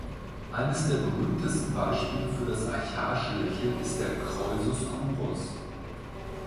Eines der berühmtesten Beispiele für das Archaische Lächeln ist der Kroisos Kouros.